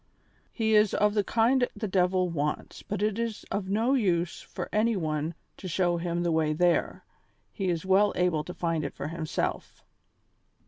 He is of the kind the devil wants, but it is of no use for any one to show him the way there, he is well able to find it for himself.